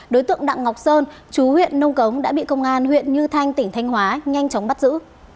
đối tượng đặng ngọc sơn chú huyện nông cống đã bị công an huyện như thanh tỉnh thanh hóa nhanh chóng bắt giữ